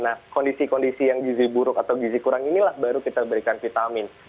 nah kondisi kondisi yang gizi buruk atau gizi kurang inilah baru kita berikan vitamin